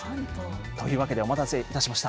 というわけで、お待たせいたしました。